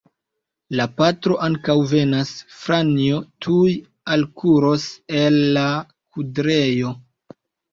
La patro ankaŭ venas, Franjo tuj alkuros el la kudrejo.